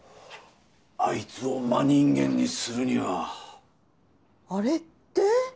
あいつを真人間にするにはアレって？